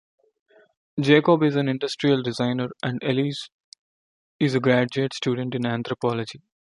Jacob is an industrial designer and Elyse is a graduate student in anthropology.